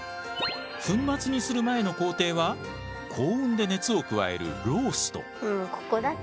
粉末にする前の工程は高温で熱を加えるロースト。